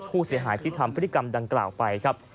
ผู้เสียหายที่ทำพฤติกรรมดังกล่าวไปครับ